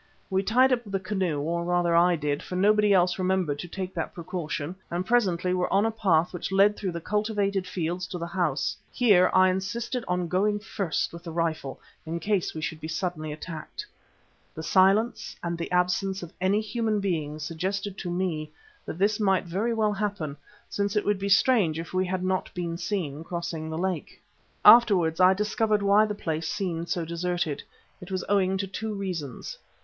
We tied up the canoe, or rather I did, for nobody else remembered to take that precaution, and presently were on a path which led through the cultivated fields to the house. Here I insisted upon going first with the rifle, in case we should be suddenly attacked. The silence and the absence of any human beings suggested to me that this might very well happen, since it would be strange if we had not been seen crossing the lake. Afterwards I discovered why the place seemed so deserted. It was owing to two reasons.